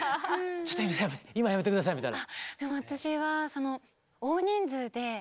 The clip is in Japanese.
「ちょっと井上さん今やめて下さい」みたいな。